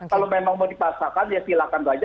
kalau memang mau dipasarkan ya silakan saja